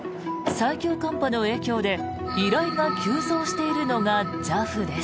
最強寒波の影響で依頼が急増しているのがＪＡＦです。